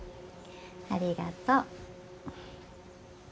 ありがとう。